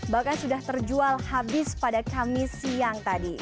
bahkan sudah terjual habis pada kamis siang tadi